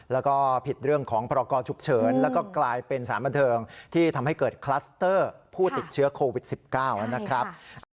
แล้วก็ผิดเรื่องของพรกรฉุกเฉินแล้วก็กลายเป็นสารบันเทิงที่ทำให้เกิดคลัสเตอร์ผู้ติดเชื้อโควิด๑๙นะครับ